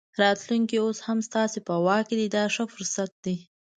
راتلونکی اوس هم ستاسو په واک دی دا ښه فرصت دی.